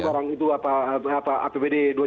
kalau sekarang itu apbd dua ribu empat belas tuh